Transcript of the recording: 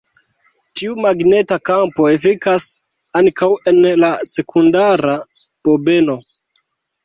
Tiu magneta kampo efikas ankaŭ en la sekundara bobeno.